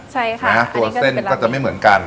ใช่ค่ะอันนี้ก็จะเป็นราเมงตัวเส้นก็จะไม่เหมือนกัน